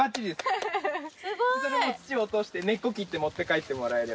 土を落として根っこ切って持って帰ってもらえれば。